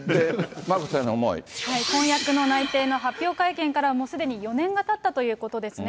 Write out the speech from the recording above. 婚約の内定の発表会見から、もうすでに４年がたったということですね。